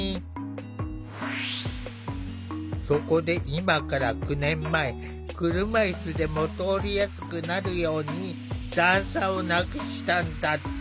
そこで今から９年前車いすでも通りやすくなるように段差をなくしたんだって。